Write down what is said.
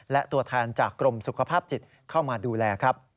และตัวแทนจากกรมสุขภาพจิตเข้ามาดูแลครับ